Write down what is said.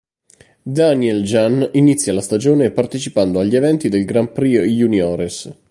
Danieljan inizia la stagione partecipando agli eventi del Grand Prix juniores.